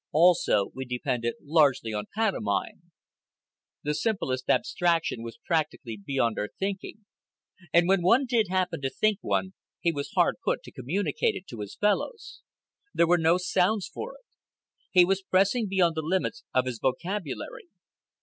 Also, we depended largely on pantomime. The simplest abstraction was practically beyond our thinking; and when one did happen to think one, he was hard put to communicate it to his fellows. There were no sounds for it. He was pressing beyond the limits of his vocabulary.